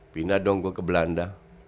pindah dong gue ke belanda